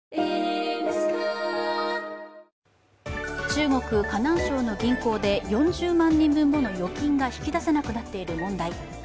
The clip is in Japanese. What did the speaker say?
中国・河南省の銀行で４０万人もの預金が引き出せなくなっている問題。